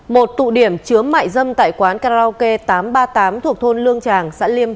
một tụ điểm chứa mại dâm tại quán karaoke tám trăm ba mươi tám thuộc thôn lương tràng